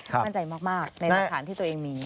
มั่นใจมากในหลักฐานที่ตัวเองมี